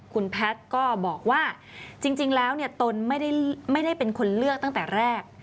คุณแพทย์ก็บอกว่าจริงแล้วตนไม่ได้เป็นคนเลือกตั้งแต่แรก